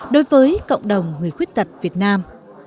đối với cộng đồng người khuyết tật việt nam